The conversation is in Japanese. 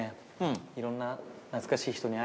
いろんな懐かしい人に会えてね